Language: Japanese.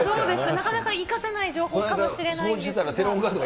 なかなか生かせない情報かもしれないですが。